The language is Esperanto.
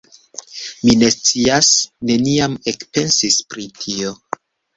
Mi ne scias, neniam ekpensis pri tio.